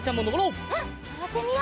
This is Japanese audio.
うんのぼってみよう。